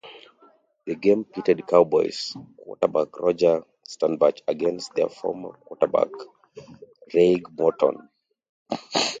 The game pitted Cowboys quarterback Roger Staubach against their former quarterback, Craig Morton.